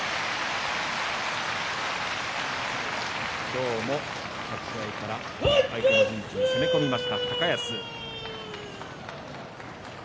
今日も立ち合いから相手の陣地に攻め込みました高安。